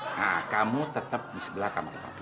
nah kamu tetap di sebelah kamar papi